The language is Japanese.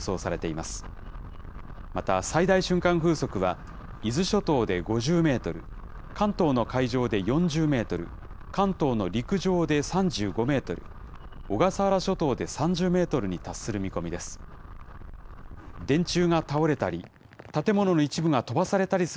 また最大瞬間風速は、伊豆諸島で５０メートル、関東の海上で４０メートル、関東の陸上で３５メートル、小笠原諸島で３０メートルに達する見込みです。